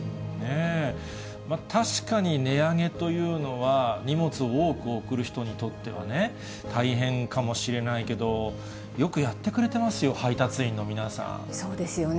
確かに値上げというのは、荷物を多く送る人にとっては大変かもしれないけど、よくやってくそうですよね。